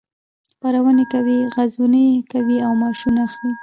خپرونې کوي، غزونې کوي او معاشونه اخلي.